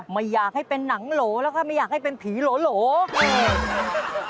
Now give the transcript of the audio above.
ไม่อยากให้เป็นหนังโหลแล้วก็ไม่อยากให้เป็นผีโหล